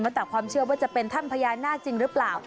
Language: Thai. แล้วแต่ความเชื่อว่าจะเป็นถ้ำพญานาคจริงหรือเปล่า